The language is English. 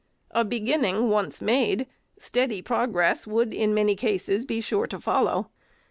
A beginning once made, steady prog ress would in many cases be sure to follow.